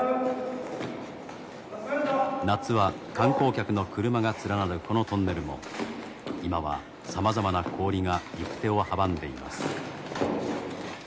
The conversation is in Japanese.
夏は観光客の車が連なるこのトンネルも今はさまざまな氷が行く手を阻んでいます。